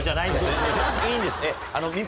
いいんです。